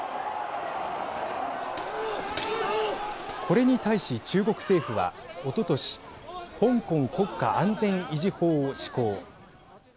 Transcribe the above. これに対し、中国政府はおととし香港国家安全維持法を施行。